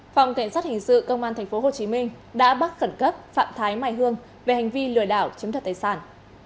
phòng kiểm soát hình sự công an tp hcm đã bắt cẩn cấp phạm thái mai hương về hành vi lừa đảo chiếm đoạt tài sản